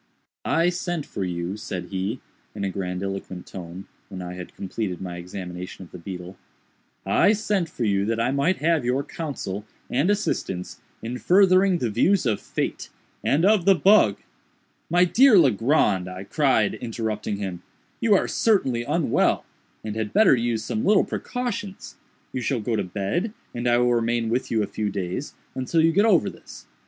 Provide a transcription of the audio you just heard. "I sent for you," said he, in a grandiloquent tone, when I had completed my examination of the beetle, "I sent for you, that I might have your counsel and assistance in furthering the views of Fate and of the bug—" "My dear Legrand," I cried, interrupting him, "you are certainly unwell, and had better use some little precautions. You shall go to bed, and I will remain with you a few days, until you get over this.